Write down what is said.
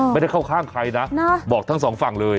ไม่ได้เข้าข้างใครนะบอกทั้งสองฝั่งเลย